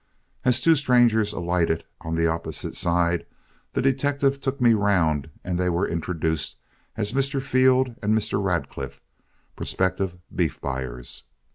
As two strangers alighted on the opposite side, the detective took me around and they were introduced as Mr. Field and Mr. Radcliff, prospective beef buyers.